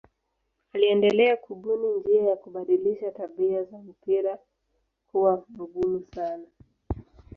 Aliendelea kubuni njia ya kubadilisha tabia za mpira kuwa mgumu kabisa.